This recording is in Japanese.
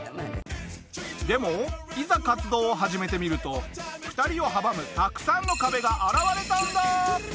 でもいざ活動を始めてみると２人を阻むたくさんの壁が現れたんだ！